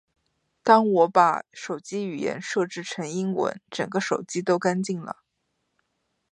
当我把手机语言设置成英文，整个手机都干净了